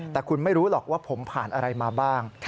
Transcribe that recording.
แต่คุณไม่รู้หรอกว่าผมผ่านอะไรมาบ้าง